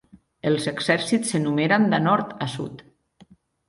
Els exèrcits s'enumeren de nord a sud.